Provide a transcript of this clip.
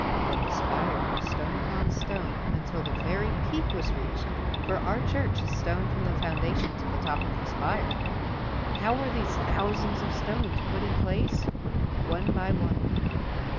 Then the spire, stone upon stone, until the very peak was reached, for our church is stone from the foundation to the top of the spire. How were these thousands of stones put in place? One by one.